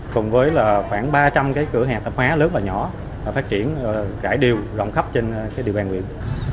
cùng với khoảng ba trăm linh cửa hạ tập hóa lớn và nhỏ phát triển rải điều rộng khắp trên địa bàn huyện